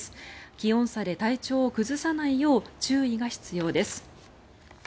気温差で体調を崩さないよう注意が必要です。